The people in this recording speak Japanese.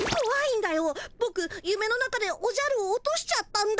ぼくゆめの中でおじゃるを落としちゃったんだ。